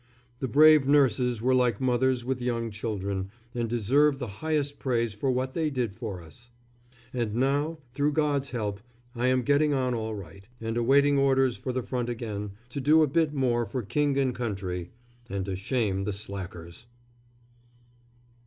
The brave nurses were like mothers with young children, and deserve the highest praise for what they did for us. And now, through God's help, I am getting on all right, and awaiting orders for the front again, to do a bit more for King and country and to shame the slackers.